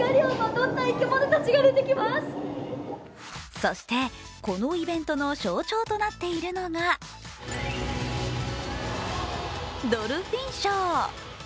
そしてこのイベントの象徴となっているのが、ドルフィンショー。